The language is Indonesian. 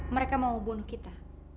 mereka mau bunuh kita